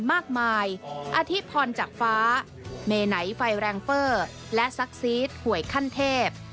มากมายอธิพรจากฟ้าเมไหนไฟแรงเฟอร์และซักซีดหวยขั้นเทพ